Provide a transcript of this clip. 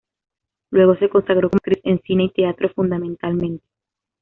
Luego se consagró como actriz en cine y teatro fundamentalmente.